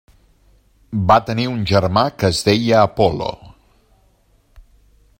Va tenir un germà que es deia Apol·lo.